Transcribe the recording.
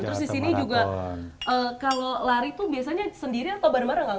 terus di sini juga kalau lari tuh biasanya sendiri atau bareng bareng nggak